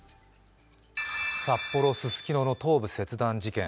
札幌・ススキノの頭部切断事件。